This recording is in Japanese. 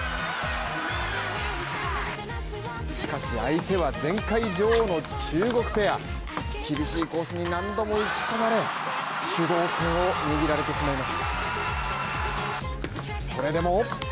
しかし相手は前回女王の中国ペア、厳しいコースに何度も打ち込まれ主導権を握られてしまいます。